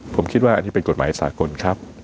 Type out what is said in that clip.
ผมคิดว่าอันนี้เป็นกฎหมายสากลครับ